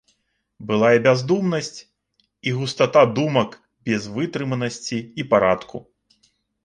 Была і бяздумнасць, і густата думак без вытрыманасці і парадку.